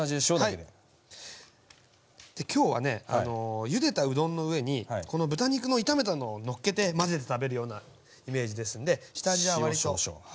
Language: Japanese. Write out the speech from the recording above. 今日はねゆでたうどんの上にこの豚肉の炒めたのをのっけて混ぜて食べるようなイメージですんで下味は割としっかりめに付けます。